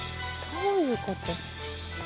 どういうこと？